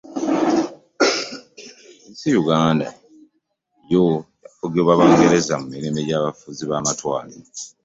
Ensi Uganda yo yafugibwa Bangereza mu mirembe gy'abafuzi b'amatwale.